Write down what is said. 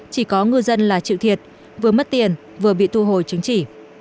chỉ có ngư dân là chịu thiệt vừa mất tiền vừa bị thu hồi chứng chỉ